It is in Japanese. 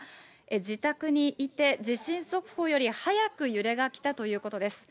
自宅にいて、地震速報より早く揺れが来たということです。